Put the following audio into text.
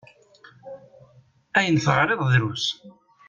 Ayen teɣriḍ drus.